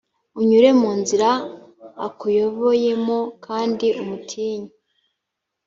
unyure mu nzira akuyoboyemo, kandi umutinye.